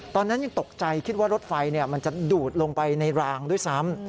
ตอนนั้นยังตกใจคิดว่ารถไฟมันจะดูดลงไปในรางด้วยซ้ำ